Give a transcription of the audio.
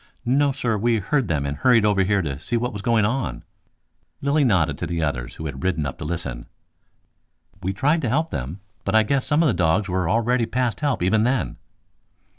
"No, sir, we heard them and hurried over here to see what was going on." Lilly nodded to the others who had ridden up to listen. "We tried to help them, but I guess some of the dogs were already past help even then."